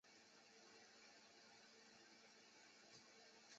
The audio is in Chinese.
这是西安地铁开工建设以来首次出现人员伤亡的事故。